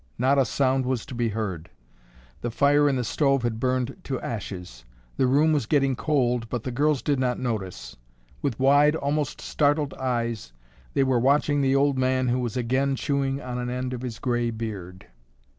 Not a sound was to be heard. The fire in the stove had burned to ashes. The room was getting cold but the girls did not notice. With wide, almost startled eyes they were watching the old man who was again chewing on an end of his gray beard.